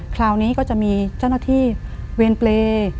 คราวนี้ก็จะมีเจ้าหน้าที่เวรเปรย์